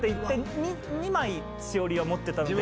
２枚しおりを持ってたので。